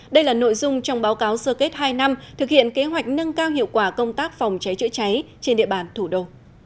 đây là nội dung trong báo cáo sơ kết hai năm thực hiện kế hoạch nâng cao hiệu quả công tác phòng cháy chữa cháy trên địa bàn thủ đô